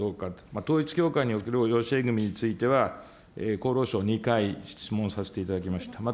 統一教会における養子縁組みについては、厚労省２回、質問させていただきました。